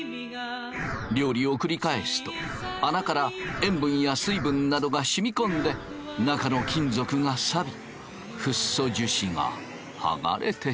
料理を繰り返すと穴から塩分や水分などがしみ込んで中の金属がさびフッ素樹脂がはがれてしまう。